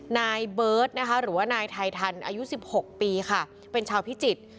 นายเบิร์ตนะคะหรือว่านายไททันอายุ๑๖ปีค่ะเป็นชาวพิจิตร